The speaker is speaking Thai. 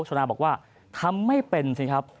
ชนะบอกว่าทำไม่เป็นสิครับ